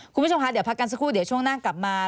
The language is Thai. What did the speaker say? คุณผู้ชมคะเดี๋ยวพักกันสักครู่เดี๋ยวช่วงหน้ากลับมา